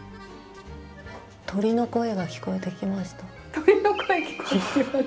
鳥の声聞こえてきます！